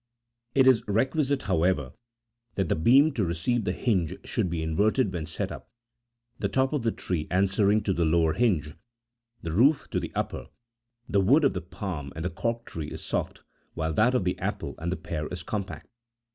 It is requisite, however, that the beam to receive the hinge should be inverted when set up, the top of the tree answering to the lower hinge, the root to the upper. The wood of the palm and the cork tree is soft, while that of the apple and the pear is compact.